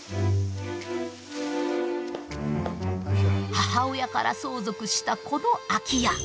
母親から相続したこの空き家。